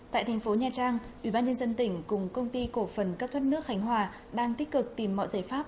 tại thành phố nha trang ubnd tỉnh cùng công ty cổ phần cấp thoát nước khánh hòa đang tích cực tìm mọi giải pháp